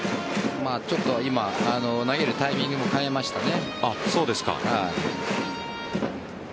ちょっと今投げるタイミングも変えましたね。